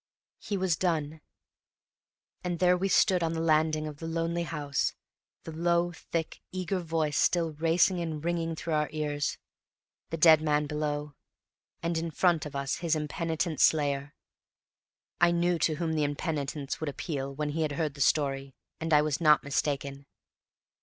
He was done; and there we stood on the landing of the lonely house, the low, thick, eager voice still racing and ringing through our ears; the dead man below, and in front of us his impenitent slayer. I knew to whom the impenitence would appeal when he had heard the story, and I was not mistaken.